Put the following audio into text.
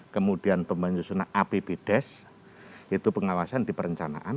kemudian penyusunan apbdes itu pengawasan di perencanaan